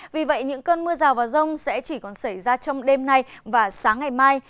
vì vậy những cơn mưa rào và rông sẽ chỉ còn xảy ra trong đêm nay và sáng ngày mai